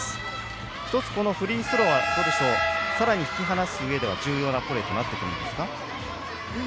１つ、フリースローさらに引き離すうえでは重要なプレーとなってきますか？